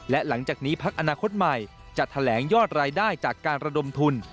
และหลังจากนี้พักอนาคตใหม่จะแถลงยอดรายได้จากการระดมทุน